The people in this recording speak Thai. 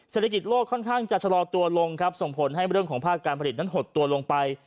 เศรษฐกิจโลกค่อนข้างจะชะลอตัวลงครับส่งผลให้เรื่องของภาคการผลิตนั้นหดตัวลงไป